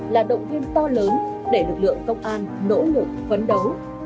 là động viên to lớn để lực lượng công an nỗ lực phấn đấu